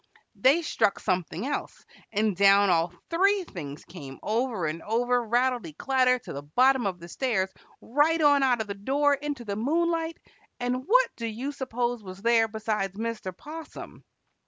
they struck something else, and down all three things came over and over, rattlety clatter, to the bottom of the stairs, right on out of the door into the moonlight, and what do you suppose was there besides Mr. 'Possum?